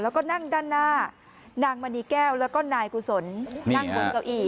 แล้วก็นั่งด้านหน้านางมณีแก้วแล้วก็นายกุศลนั่งบนเก้าอี้